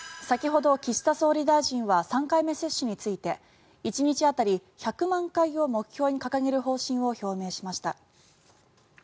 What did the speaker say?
先ほど、岸田総理大臣は３回目接種について１日当たり１００万回を目標に掲げる方針を示しました。